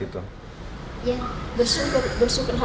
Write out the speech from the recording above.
ya bersyukur hamdulillah karena bisa tak juga rawatkan aku dengan baik